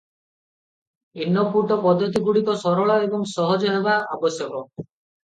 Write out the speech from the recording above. Input ପଦ୍ଧତିଗୁଡ଼ିକ ସରଳ ଏବଂ ସହଜ ହେବା ଆବଶ୍ୟକ ।